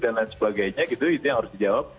dan lain sebagainya gitu itu yang harus dijawab